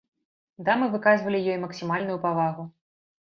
Дамы выказвалі ёй максімальную павагу.